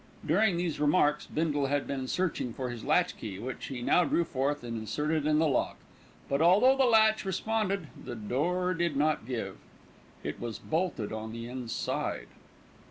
During these remarks, Bindle had been searching for his latch key, which he now drew forth and inserted in the lock; but, although the latch responded, the door did not give. It was bolted on the inside.